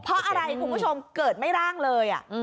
เพราะอะไรคุณผู้ชมเกิดไม่ร่างเลย